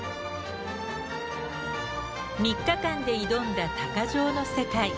３日間で挑んだ鷹匠の世界。